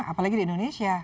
apalagi di indonesia